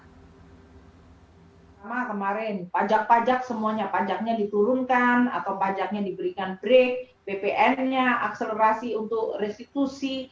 pertama kemarin pajak pajak semuanya pajaknya diturunkan atau pajaknya diberikan break ppn nya akselerasi untuk restitusi